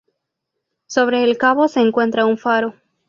Sobre el cabo se encuentra un faro.